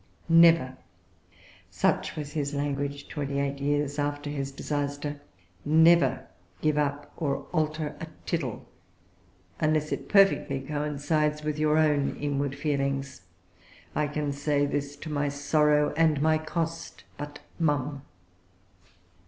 "Never," such was his language twenty eight years after his disaster, "never give up or alter a tittle unless it perfectly coincides with your own inward feelings. I can say this to my sorrow and my cost. But mum!"